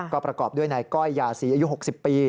ก็ประกอบด้วยนายก้อยยาศรีอายุ๖๐ปี